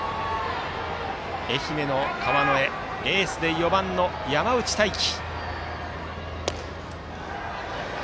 愛媛の川之江エースで４番の山内太暉。